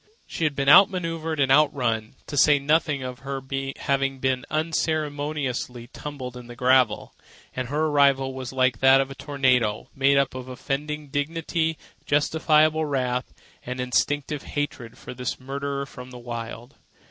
She had been out manoeuvred and out run, to say nothing of her having been unceremoniously tumbled in the gravel, and her arrival was like that of a tornado—made up of offended dignity, justifiable wrath, and instinctive hatred for this marauder from the Wild.